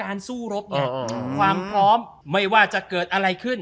การสู้รบความพร้อมไม่ว่าจะเกิดอะไรขึ้น